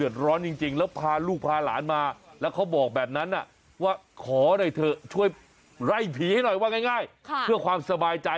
นี่เห็นไหมปุ๊บ